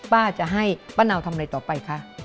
ป้าจะให้ป้าเนาทำอะไรต่อไปคะ